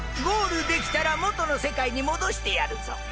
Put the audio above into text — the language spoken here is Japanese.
ゴールできたら元の世界に戻してやるぞ。